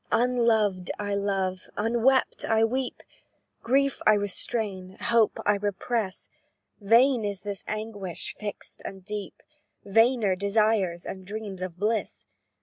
"Unloved I love; unwept I weep; Grief I restrain hope I repress: Vain is this anguish fixed and deep; Vainer, desires and dreams of bliss.